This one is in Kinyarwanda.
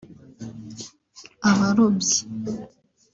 abarobyi